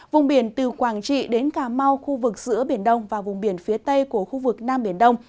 vùng biển từ quảng trị đến cà mau khu vực giữa biển đông và vùng biển phía tây của khu vực nam biển đông